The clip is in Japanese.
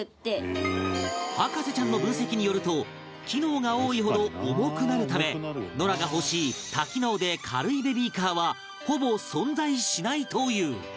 博士ちゃんの分析によると機能が多いほど重くなるためノラが欲しい多機能で軽いベビーカーはほぼ存在しないという